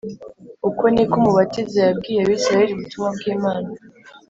Uko niko Umubatiza yabwiye Abisiraheli ubutumwa bw’Imana